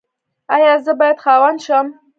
ایا زه باید خاوند شم؟